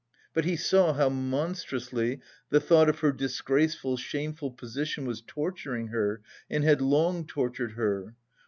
But he saw how monstrously the thought of her disgraceful, shameful position was torturing her and had long tortured her.